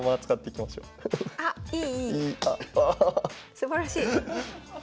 すばらしい！